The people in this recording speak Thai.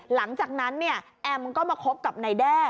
หลังจากนั้นแอมก็มาคบกับไนแด้